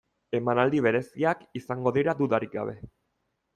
Emanaldi bereziak izango dira, dudarik gabe.